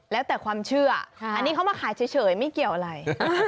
แล้วแต่ความเชื่ออันนี้เขามาขายเฉยไม่เกี่ยวอะไร